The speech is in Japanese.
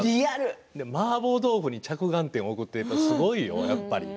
マーボー豆腐に着眼点を置くってすごいよ、やっぱり。